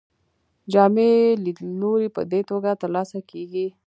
جامع لیدلوری په دې توګه ترلاسه کیږي.